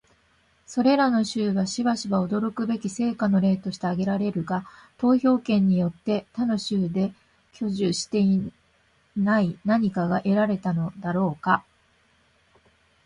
それらの州はしばしば驚くべき成果の例として挙げられるが、投票権によって他の州で享受していない何かが得られたのだろうか？